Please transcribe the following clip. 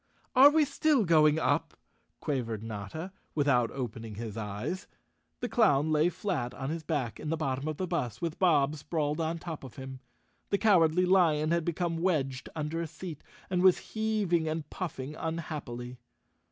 "Are we still going up?" quavered Notta, without opening his eyes. The clown lay flat on his back in the bottom of the bus with Bob sprawled on top of him. The Cowardly Lion had become wedged under a seat and was heaving and puffing unhappily.